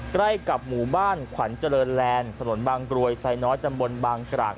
ใกล้กับหมู่บ้านขวัญเจริญแลนด์ถนนบางกรวยไซน้อยตำบลบางกราก